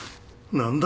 何だ！？